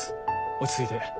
落ち着いて。